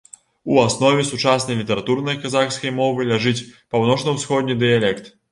У аснове сучаснай літаратурнай казахскай мовы ляжыць паўночна-ўсходні дыялект.